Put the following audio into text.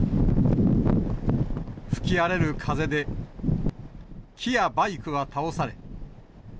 吹き荒れる風で木やバイクは倒され。